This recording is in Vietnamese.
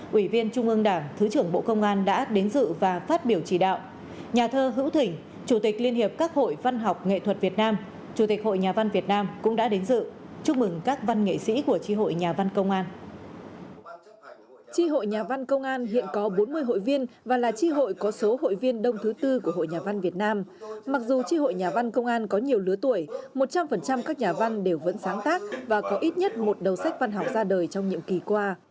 quỳ viên trung ương đảng thứ trưởng bộ công an đã biểu dương những nỗ lực cùng những thành tựu của các nhà văn công an đạt được trong thời gian qua